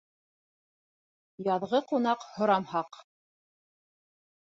Яҙғы ҡунаҡ һорамһаҡ.